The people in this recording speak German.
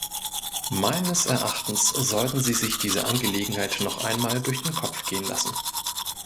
Meines Erachtens sollten sie sich diese Angelegenheit noch einmal durch den Kopf gehen lassen.